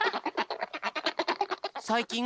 さいきん